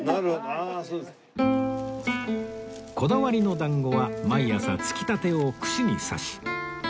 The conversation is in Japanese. こだわりの団子は毎朝つきたてを串に刺し